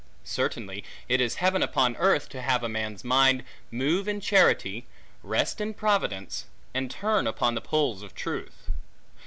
Certainly, it is heaven upon earth, to have a man's mind move in charity, rest in providence, and turn upon the poles of truth.